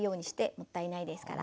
もったいないですから。